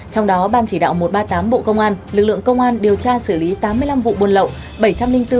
trong đó ban chỉ đạo một trăm ba mươi tám bộ công an lực lượng công an điều tra xử lý tám mươi năm vụ buôn lậu